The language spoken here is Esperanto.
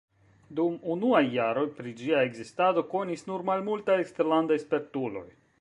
Dum unuaj jaroj pri ĝia ekzistado konis nur malmultaj eksterlandaj spertuloj.